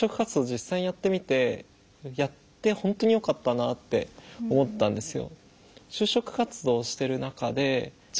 実際やってみてやって本当によかったなって思ったんですよ。